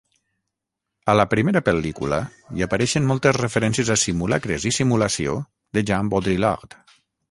A la primera pel·lícula hi apareixen moltes referències a "Simulacres i simulació" de Jean Baudrillard.